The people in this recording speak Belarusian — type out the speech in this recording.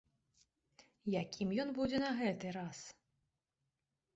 Якім ён будзе на гэты раз?